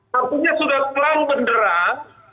satunya sudah telah menderang